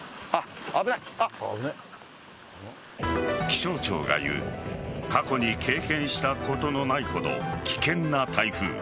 気象庁が言う過去に経験したことのないほど危険な台風。